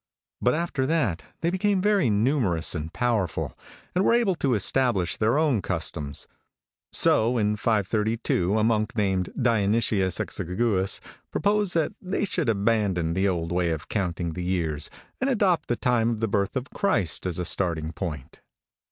But after that they became very numerous and powerful, and were able to establish their own customs. So in 532 a monk named Dionysius Exiguus proposed that they should abandon the old way of counting the years, and adopt the time of the birth of Christ as a starting point.